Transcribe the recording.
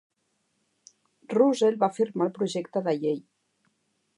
Russell va firmar el projecte de llei.